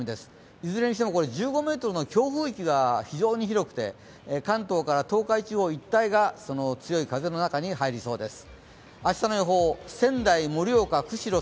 いずれにしても１５メートルの強風域が非常に広くて、関東から東海一帯がその強い風の中に入りそうです。